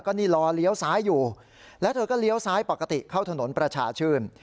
นี่รอเลี้ยวซ้ายอยู่แล้วเธอก็เลี้ยวซ้ายปกติเข้าถนนประชาชื่น